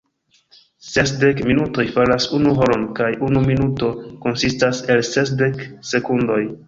Sesdek minutoj faras unu horon, kaj unu minuto konsistas el sesdek sekundoj.